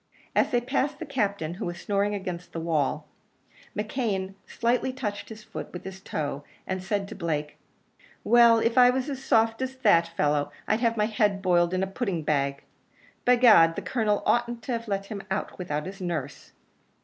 As they passed the Captain, who was snoring against the wall, McKeon slightly touched his foot with his toe, and said to Blake, "Well; if I was as soft as that fellow, I'd have my head boiled in a pudding bag. By gad, the Colonel oughtn't to let him out without his nurse."